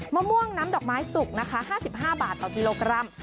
มะม่วงน้ำดอกไม้สุกนะคะ๕๕บาทต่อกิโลกรัม